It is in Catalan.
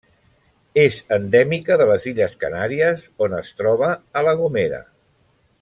És endèmica de les Illes Canàries on es troba a La Gomera.